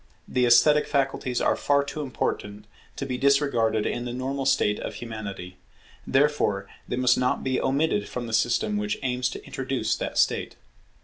The esthetic faculties are far too important to be disregarded in the normal state of Humanity; therefore they must not be omitted from the system which aims to introduce that state.